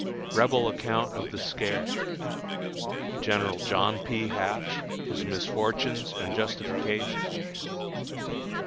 Rebel Account of the Scare. General John P. Hatch, his Misfortunes and Justification.